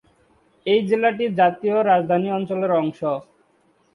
এই জেলাটি জাতীয় রাজধানী অঞ্চলের অংশ।